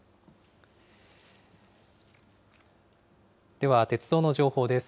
では鉄道の情報です。